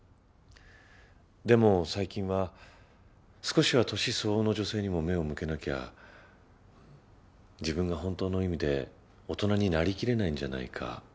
でも最近は少しは年相応の女性にも目を向けなきゃ自分が本当の意味で大人になりきれないんじゃないか？